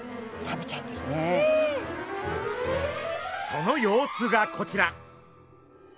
その様子がこちら。